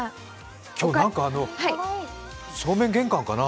今日、なんか正面玄関かな？